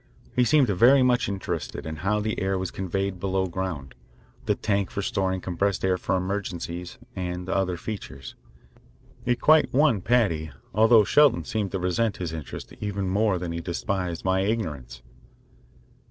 He seemed very much interested in how the air was conveyed below ground, the tank for storing compressed air for emergencies, and other features. It quite won Paddy, although Shelton seemed to resent his interest even more than he despised my ignorance.